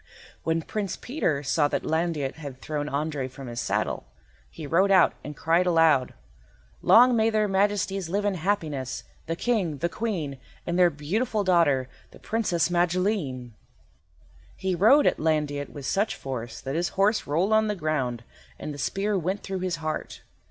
When Prince Peter saw that Landiot had thrown Andrei from his saddle, he rode out and cried aloud— "Long may their Majesties live in happiness, the King, the Queen, and their beautiful daughter, the Princess Magilene." He rode at Landiot with such force that his horse rolled on the ground and the spear went through his heart.